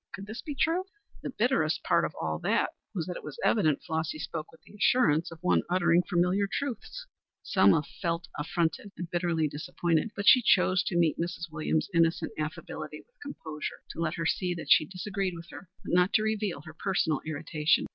Could this be true? The bitterest part of all was that it was evident Flossy spoke with the assurance of one uttering familiar truths. Selma felt affronted and bitterly disappointed, but she chose to meet Mrs. Williams's innocent affability with composure; to let her see that she disagreed with her, but not to reveal her personal irritation.